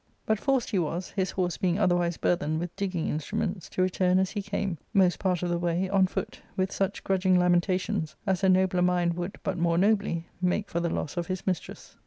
But forced he was, his horse being otherwise burthened with digging instruments, to return as he came, most part of the way on . foot, with such grudging lamentations as a nobler mind would, but more nobly, make for the loss of his mistress.